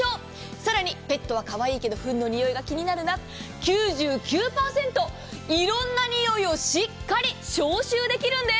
更に、ペットは可愛いけどフンのにおいが気になるな９９％、色んなにおいをしっかり消臭できるんです。